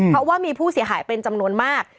เพราะว่ามีผู้เสียหายเป็นจำนวนมาก